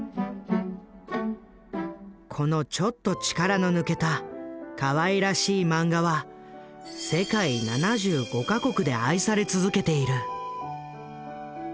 このちょっと力の抜けたかわいらしいマンガは世界７５か国で愛され続けている。